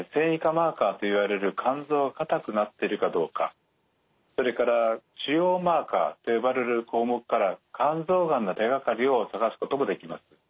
マーカーといわれる肝臓が硬くなってるかどうかそれから腫瘍マーカーと呼ばれる項目から肝臓がんの手がかりを探すこともできます。